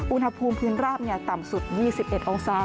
อุณหภูมิพื้นราบต่ำสุด๒๑องศา